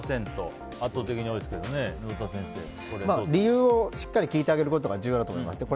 圧倒的に多いですけど理由をしっかり聞いてあげることが重要だと思います。